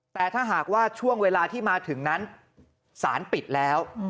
แต่ถ้าหากว่าช่วงเวลาที่มาถึงนั้นสารปิดแล้ว